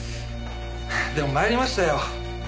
でもまいりましたよ。